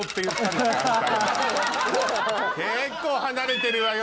結構離れてるわよ。